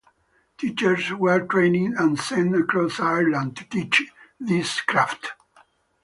Teachers were trained and sent across Ireland to teach this craft.